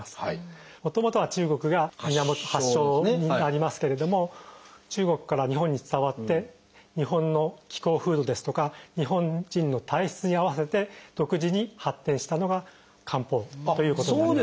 もともとは中国が源発祥になりますけれども中国から日本に伝わって日本の気候風土ですとか日本人の体質に合わせて独自に発展したのが漢方ということになります。